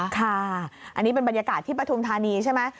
ค่ะอันนี้เป็นบรรยากาศที่ปฐุมธานีใช่ไหม